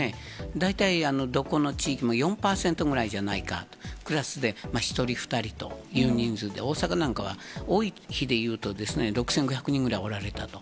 大体、どこの地域も４％ぐらいじゃないかと、クラスで１人、２人という人数で、大阪なんかは、多い日でいうとですね、６５００人ぐらいおられたと。